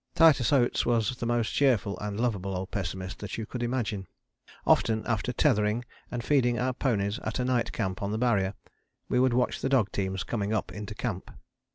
Titus Oates was the most cheerful and lovable old pessimist that you could imagine. Often, after tethering and feeding our ponies at a night camp on the Barrier, we would watch the dog teams coming up into camp.